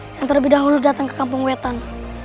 yang terlebih dahulu datang ke kampung wetan